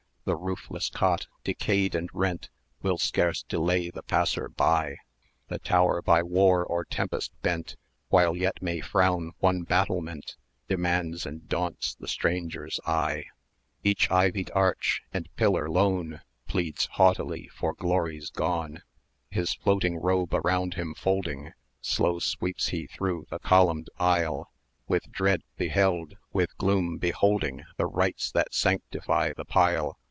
The roofless cot, decayed and rent, Will scarce delay the passer by; The tower by war or tempest bent, While yet may frown one battlement, Demands and daunts the stranger's eye; 880 Each ivied arch, and pillar lone, Pleads haughtily for glories gone! "His floating robe around him folding, Slow sweeps he through the columned aisle; With dread beheld, with gloom beholding The rites that sanctify the pile.